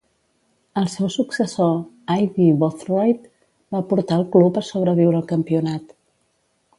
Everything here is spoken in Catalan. El seu successor, Aidy Boothroyd, va portar el club a sobreviure el Campionat.